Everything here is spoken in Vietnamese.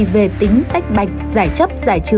về tính tách bạch giải chấp giải trừ